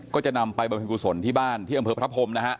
ก็จะนำไปบรรพิกุศลที่บ้านที่อำเภอพระพรมนะฮะ